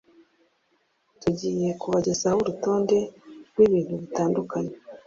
tugiye kubagezaho urutonde rw’ibintu bitandukanye